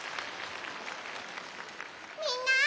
みんな。